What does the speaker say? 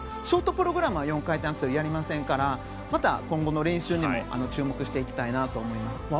ショートプログラムは４回転アクセルやりませんからまた今後の練習にも注目していきたいなと思います。